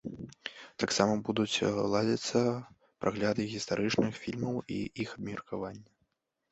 Таксама будуць ладзіцца прагляды гістарычных фільмаў і іх абмеркаванне.